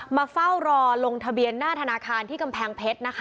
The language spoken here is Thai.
มาเฝ้ารอลงทะเบียนหน้าธนาคารที่กำแพงเพชรนะคะ